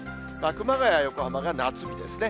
熊谷、横浜が夏日ですね。